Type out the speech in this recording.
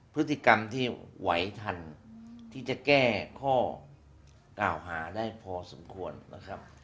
พฤติกรรมที่ไหวทันที่จะแก้ข้อกล่าวหาได้พอสมควรนะครับ